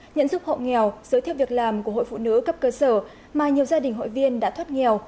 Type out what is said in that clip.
nhận giúp hộ nghèo giới thiệu việc làm của hội phụ nữ cấp cơ sở mà nhiều gia đình hội viên đã thoát nghèo